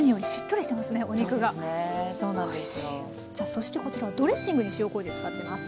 そしてこちらはドレッシングに塩こうじ使ってます。